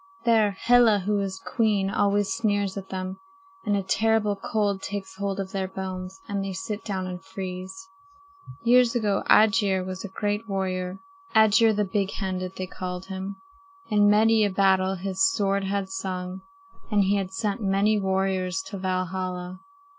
There Hela, who is queen, always sneers at them, and a terrible cold takes hold of their bones, and they sit down and freeze. "Years ago Aegir was a great warrior. Aegir the Big handed, they called him. In many a battle his sword had sung, and he had sent many warriors to Valhalla.